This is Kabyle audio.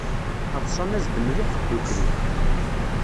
Ḍsan-as-d mliḥ ddukkli.